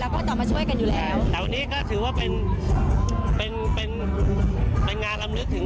พ่อผู้ของคุณพ่อก็เหมือนแบบเป็นพี่น้องกันอยู่แล้ว